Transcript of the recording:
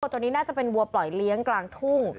ตัวนี้น่าจะเป็นวัวปล่อยเลี้ยงกลางทุ่ง